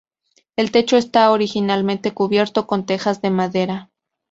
El techo estaba originalmente cubierto con tejas de madera.